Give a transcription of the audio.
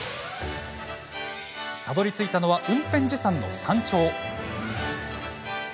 たどりついたのは雲辺寺山の山頂。